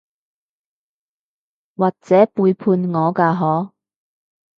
或者背叛我㗎嗬？